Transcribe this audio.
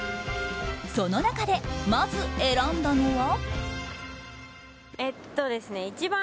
その中で、まず選んだのは。